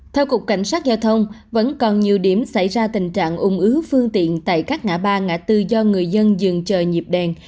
theo cục cảnh sát giao thông vẫn còn nhiều điểm xảy ra tình trạng ung ứ phương tiện tại các ngã ba ngã tư do người dân dừng chờ nhịp đèn